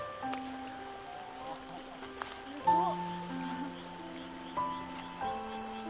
すごっ！